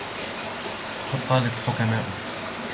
وَقَدْ قَالَتْ الْحُكَمَاءُ